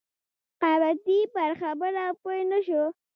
قبطي پر خبره پوی نه شو.